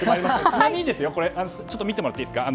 ちなみに見てもらっていいですか？